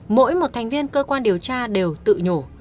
mỗi một thành viên cơ quan điều tra đều tự nhổ